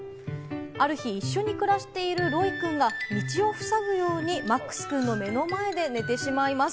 ある日、一緒に暮らしているロイくんが道をふさぐようにマックスくんの目の前で寝てしまいます。